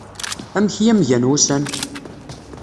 Amek i am-gan wussan?